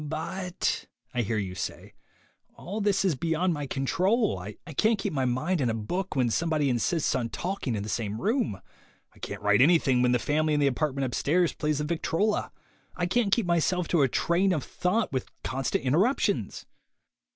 "But," I hear you say, "all this is beyond my control. I can't keep my mind on a book when somebody insists on talking in the same room. I can't write any thing when the family in the apartment upstairs plays the victrola. I can't keep myself to a train of thought with constant interruptions!"